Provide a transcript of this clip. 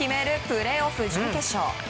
プレーオフ準決勝。